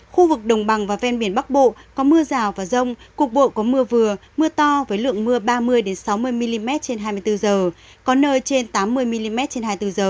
khu vực đồng bằng và ven biển bắc bộ có mưa rào và rông cục bộ có mưa vừa mưa to với lượng mưa ba mươi sáu mươi mm trên hai mươi bốn h có nơi trên tám mươi mm trên hai mươi bốn h